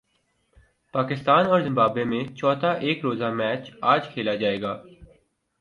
پاکستان اور زمبابوے میں چوتھا ایک روزہ میچ اج کھیلا جائے گا